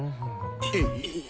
えっ？